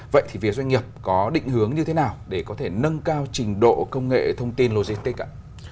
vậy thì phía doanh nghiệp có định hướng như thế nào để có thể nâng cao trình độ công nghệ thông tin logistics ạ